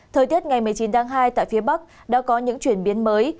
thời tiết ngày một mươi chín tháng hai tại phía bắc đã có những chuyển biến mới